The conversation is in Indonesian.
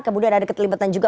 kemudian ada keterlibatan juga